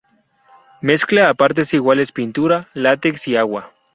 Mezcla a partes iguales pintura, látex y agua.